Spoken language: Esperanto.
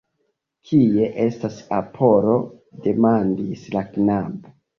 Kie estas Apolo? demandis la knabo.